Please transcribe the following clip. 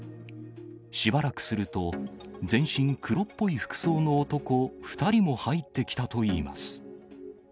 しばらくすると、全身黒っぽい服装の男２人も入ってきたといいます。